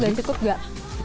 cukup dan cukup nggak